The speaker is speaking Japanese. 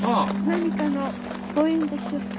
何かのご縁でしょうか。